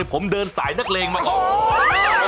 ผมเดินสายนักเลงมาก่อน